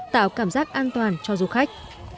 tạo cảm giác an toàn cho du khách